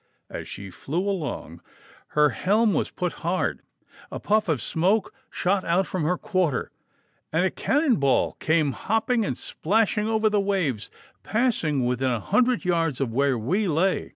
As she flew along her helm was put hard down, a puff of smoke shot out from her quarter, and a cannon ball came hopping and splashing over the waves, passing within a hundred yards of where we lay.